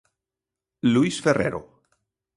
Luís Ferrero.